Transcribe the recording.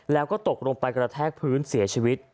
แล้วก็ตกลงไปกระแทกพื้นเสียชีวิต